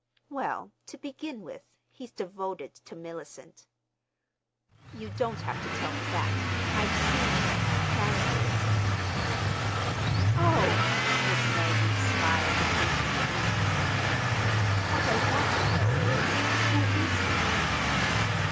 "Well, to begin with, he's devoted to Mellicent." "You don't have to tell me that. I've seen him—and Mellicent." "Oh!" Miss Maggie smiled appreciatively. "What I want to know is, who is he?"